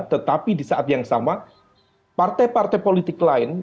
tetapi di saat yang sama partai partai politik lain